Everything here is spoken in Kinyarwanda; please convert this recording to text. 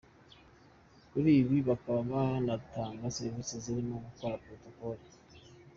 Kuri ibi bakaba banatanga serivise zirimo gukora protocol.